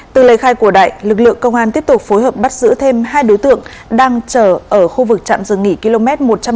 từ lời khai của đại lực lượng công an tiếp tục phối hợp bắt giữ thêm hai đối tượng đang chở ở khu vực trạm dừng nghỉ km một trăm một mươi hai